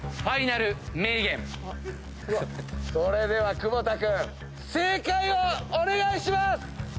それでは久保田君正解をお願いします！